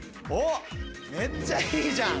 めっちゃいいじゃん。